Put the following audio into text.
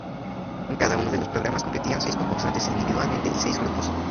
En cada uno de los programas competían seis concursantes individualmente y seis grupos.